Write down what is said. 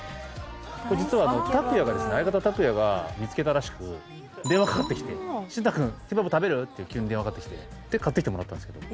これ実は相方の卓弥が見つけたらしく電話かかってきてしんた君ケバブ食べる？って急に電話かかってきて買ってきてもらったんですけど。